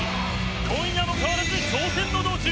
今夜も変わらず挑戦の道中。